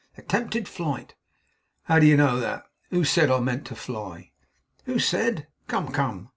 Attempted flight!' 'How do you know that? Who said I meant to fly?' 'Who said? Come, come.